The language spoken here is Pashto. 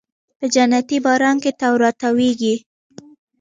په جنتي باران کې تاو راتاویږې